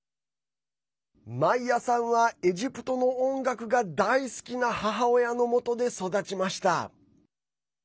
マイヤさんは、エジプトの音楽が大好きな母親のもとで育ちました。